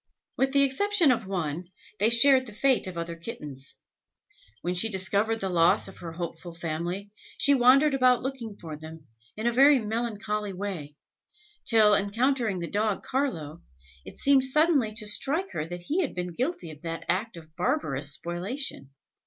With the exception of one, they shared the fate of other kittens. When she discovered the loss of her hopeful family, she wandered about looking for them, in a very melancholy way, till, encountering the dog Carlo, it seemed suddenly to strike her that he had been guilty of that act of barbarous spoliation.